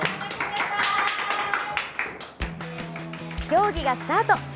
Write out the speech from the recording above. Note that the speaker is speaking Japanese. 競技がスタート。